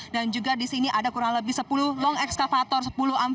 dan juga di sini ada kurang lebih sepuluh long experts